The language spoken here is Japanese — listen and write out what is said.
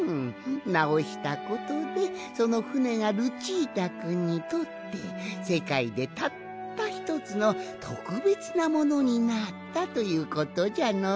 なおしたことでそのふねがルチータくんにとってせかいでたったひとつのとくべつなものになったということじゃのう。